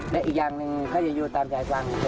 และอีกอย่างหนึ่งก็จะอยู่ตามแยกวาง